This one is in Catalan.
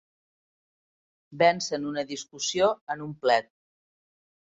Vèncer en una discussió, en un plet.